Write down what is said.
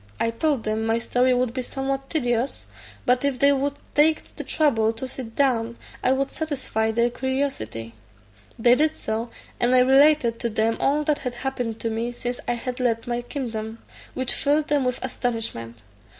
I told them my story would be somewhat tedious, but if they would take the trouble to sit down, 1 would satisfy their curiosity. They did so, and I related to them all that had happened to me since I had left my kingdom, which filled them with astonishment.